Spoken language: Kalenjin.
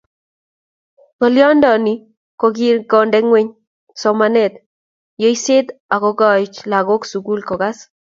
Ngolyondoni ko kikonde ngweny somanetab yoisiet akokoyai lagokab sukul kosas